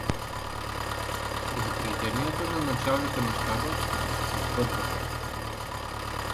Предупрежденията на началника на щаба като че се сбъдваха.